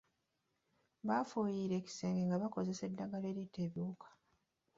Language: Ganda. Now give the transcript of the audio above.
Baafuuyira ekisenge nga bakozesa eddagala eritta ebiwuka.